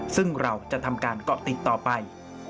ซึ่งเราจะทำการเกาะติดต่อไป